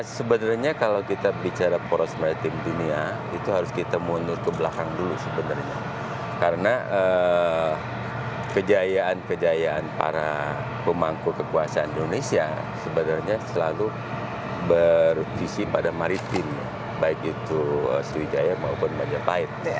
sebenarnya kalau kita bicara poros maritim dunia itu harus kita mundur ke belakang dulu sebenarnya karena kejayaan kejayaan para pemangku kekuasaan indonesia sebenarnya selalu bervisi pada maritim baik itu sriwijaya maupun majapahit